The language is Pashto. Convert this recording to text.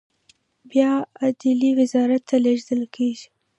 بیا عدلیې وزارت ته لیږل کیږي.